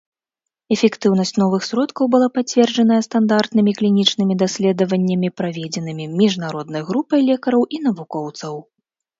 Эфектыўнасць новых сродкаў была пацверджаная стандартнымі клінічнымі даследаваннямі, праведзенымі міжнароднай групай лекараў і навукоўцаў.